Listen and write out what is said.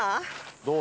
どう？